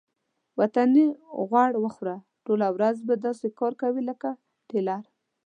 وطني غوړ وخوره ټوله ورځ به داسې کار کوې لکه ټېلر.